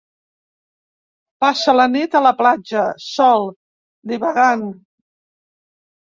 Passa la nit a la platja, sol, divagant.